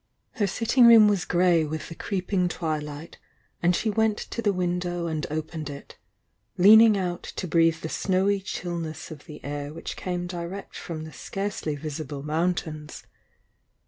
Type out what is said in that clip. Her sitting room was grey with the creeping twilight, and she went to the window and opened it, leaning out to breathe the snowy chillness of the air which came direct from the scarcely visible mountains.